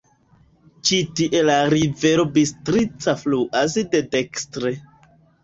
Ĉi tie la rivero Bistrica fluas de dekstre.